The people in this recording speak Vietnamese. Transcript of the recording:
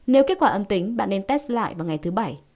nếu kết quả âm tính bạn nên test lại vào ngày thứ bảy